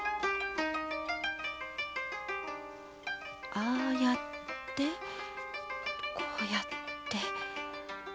ああやってこうやって